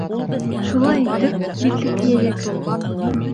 Шулай итеп, битлек кейәйек.